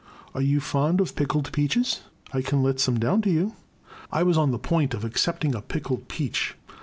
Are you fond of pickled peaches ? I can let some down to you. I was on the point of accepting a pickled peach.